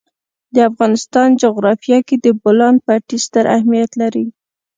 د افغانستان جغرافیه کې د بولان پټي ستر اهمیت لري.